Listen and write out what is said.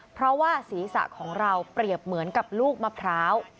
เพราะว่าศีรษะของเราเปรียบเหมือนกับลูกมะพร้าว